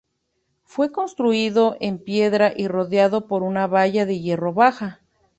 Fue construido en piedra y rodeado por una valla de hierro baja.